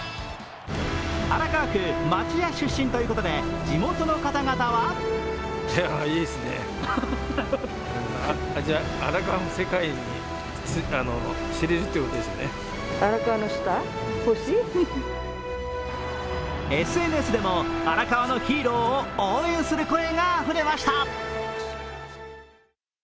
荒川区町屋出身ということで、地元の方々はＳＮＳでも荒川のヒーローを応援する声があふれました。